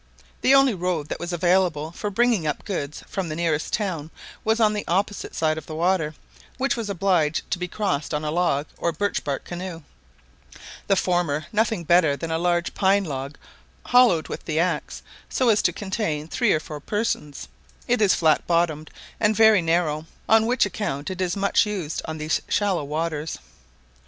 The only road that was available for bringing up goods from the nearest town was on the opposite side of the water, which was obliged to be crossed on a log, or birch bark canoe; the former nothing better than a large pine log hollowed with the axe, so as to contain three or four persons; it is flat bottomed, and very narrow, on which account it is much used on these shallow waters.